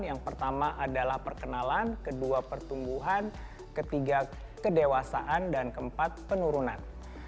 yang pertama adalah perkenalan kedua pertumbuhan ketiga kedewasaan dan keempat penurunan